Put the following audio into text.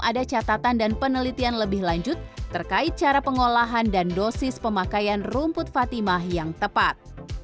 ada catatan dan penelitian lebih lanjut terkait cara pengolahan dan dosis pemakaian rumput fatimah yang tepat